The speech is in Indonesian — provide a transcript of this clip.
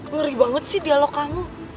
ngeri banget sih dialog kamu